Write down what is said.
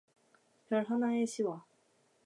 별 하나에 시와